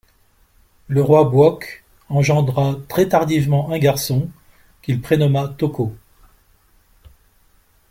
Le roi Bwoc engendra très tardivement un garçon qu'il prénomma Tokot.